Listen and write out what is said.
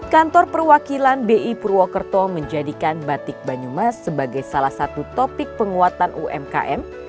kantor perwakilan bi purwokerto menjadikan batik banyumas sebagai salah satu topik penguatan umkm